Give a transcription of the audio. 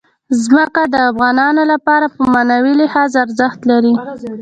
ځمکه د افغانانو لپاره په معنوي لحاظ ارزښت لري.